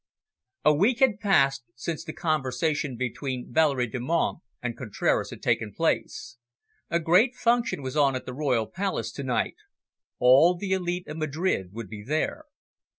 A week had passed since the conversation between Valerie Delmonte and Contraras had taken place. A great function was on at the Royal Palace to night. All the elite of Madrid would be there.